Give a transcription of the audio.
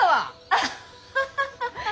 アハハハハッ！